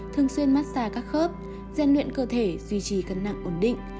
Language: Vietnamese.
thường xuyên massage các khớp gian luyện cơ thể duy trì cân nặng ổn định